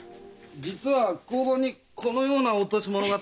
実は交番にこのような落とし物が届きまして。